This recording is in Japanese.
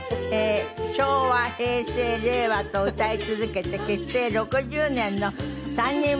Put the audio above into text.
昭和平成令和と歌い続けて結成６０年の三人娘。